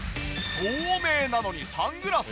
透明なのにサングラス！？